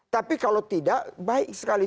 tapi kalau tidak baik sekali